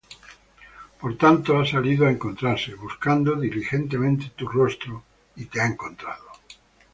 Por tanto he salido á encontrarte, Buscando diligentemente tu rostro, y te he hallado.